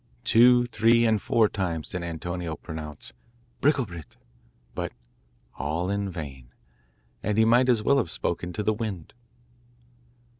Two, three, and four times did Antonio pronounce 'Bricklebrit,' but all in vain, and he might as well have spoken to the wind.